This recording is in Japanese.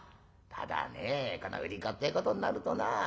ただねこの売り子ってえことになるとな